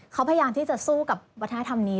เขาพยายามที่จะสู้กับวัฒนธรรมนี้